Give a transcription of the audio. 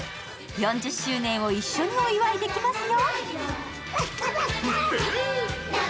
４０周年を一緒にお祝いできますよ。